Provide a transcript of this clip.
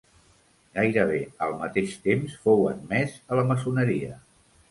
Gairebé al mateix temps fou admès a la maçoneria.